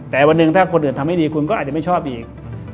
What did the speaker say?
แต่วันหนึ่งถ้าคนอื่นทำให้ดีคุณก็อาจจะไม่ชอบอีก